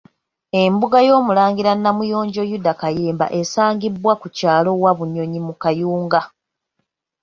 Embuga y'Omulangira Namuyonjo Yuda Kayemba esangibwa ku kyalo Wabunyonyi mu Kayunga.